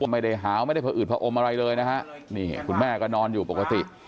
ไม่ได้หาวไม่ได้ผอืดผอมอะไรเลยนะฮะนี่คุณแม่ก็นอนอยู่ปกติ